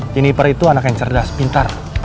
jenniper itu anak yang cerdas pintar